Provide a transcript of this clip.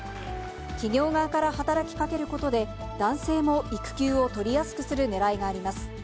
企業側から働きかけることで、男性も育休を取りやすくするねらいがあります。